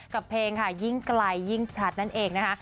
เพลงค่ะยิ่งไกลยิ่งชัดนั่นเองนะคะ